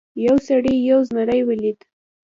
یو سړي یو زمری ولید.